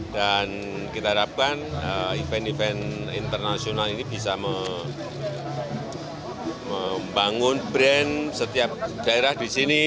dan kita harapkan event event internasional ini bisa membangun brand setiap daerah di sini